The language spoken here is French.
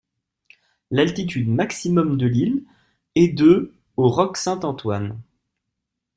L'altitude maximum de l'île est de au roc Saint-Antoine.